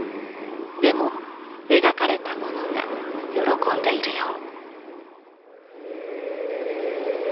でも描かれたものが喜んでいるよう。